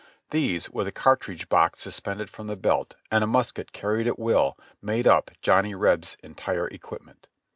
These, with a cartridge box suspended from the belt, and a musket carried at will, made up Johnny Reb's entire equipment.